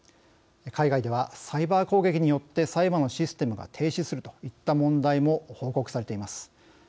海外では、サイバー攻撃によって裁判のシステムが停止するといった問題も報告されています。